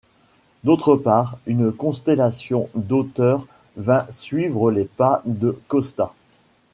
D'autre part, une constellation d'auteurs vint suivre les pas de Costa.